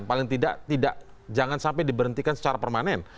paling tidak tidak jangan sampai diberhentikan secara permanen